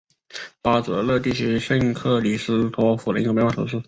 巴泽勒地区圣克里斯托夫人口变化图示